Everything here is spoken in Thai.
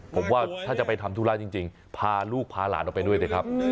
ผมว่าถ้าจะไปทำธุระจริงพาลูกพาหลานออกไปด้วยเถอะครับ